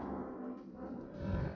kabur lagi kejar kejar kejar